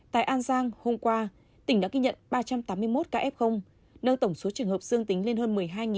tại an giang hôm qua tỉnh đã ghi nhận ba trăm tám mươi một ca f nâng tổng số trường hợp dương tính lên hơn một mươi hai ca